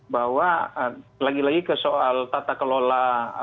bahwa lagi lagi ke soal tata kelola